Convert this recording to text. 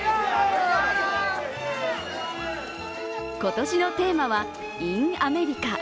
今年のテーマは「イン・アメリカ」。